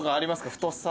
太さ。